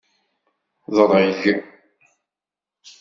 Ḍreg.